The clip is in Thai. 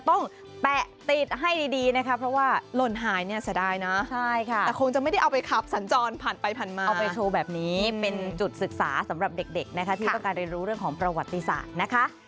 แต่คงจะไม่ได้เอาไปขับสัญจรผ่านไปผ่านมาเอาไปโชว์แบบนี้เป็นจุดศึกษาสำหรับเด็กนะคะที่เป็นการเรียนรู้เรื่องของประวัติศาสตร์นะคะ